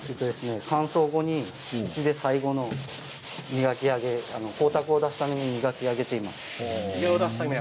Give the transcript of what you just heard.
乾燥後に最後の磨き上げ光沢を出すための磨き上げをしています。